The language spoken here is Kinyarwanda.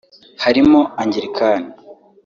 harimo Angilikani